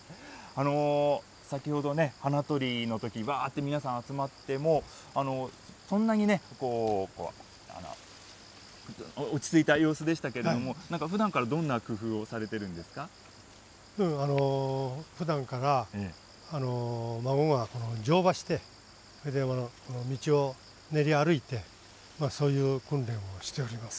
先ほど花取りのとき、わーって皆さん集まっても、そんなにね、落ち着いた様子でしたけれども、なんかふだんからどんな工夫をされふだんから孫が乗馬して、それで道を練り歩いて、そういう訓練をしております。